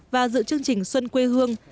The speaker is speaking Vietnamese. và dự chương trình xuân quê hương